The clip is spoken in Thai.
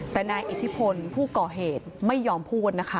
แต่นายอิทธิพลผู้ก่อเหตุไม่ยอมพูดนะคะ